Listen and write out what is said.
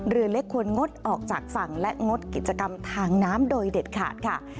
เรือเล็กควรงดออกจากฝั่งและงดกิจกรรมทางน้ำโดยเด็ดขาดค่ะ